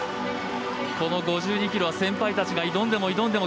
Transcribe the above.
この５２ｋｇは先輩たちが挑んでも挑んでも